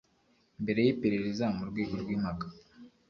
Mbere y iperereza mu rwego rw impaka